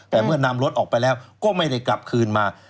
แต่เมื่อนำรถออกไปแล้วก็ไม่ได้กลับคืนมา